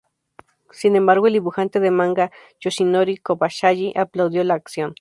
Sin embargo, el dibujante de manga Yoshinori Kobayashi aplaudió la acción.